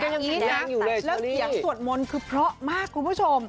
อาอีทสัดเลิกอย่างสวดมนต์คือเพราะมากคุณผู้ชม